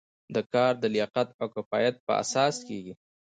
دا کار د لیاقت او کفایت په اساس کیږي.